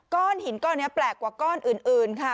ก้อนหินก้อนนี้แปลกกว่าก้อนอื่นค่ะ